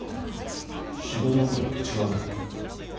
仕事のことと違うで。